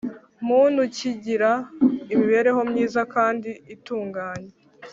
Muntu kigira imibereho myiza kandi itunganye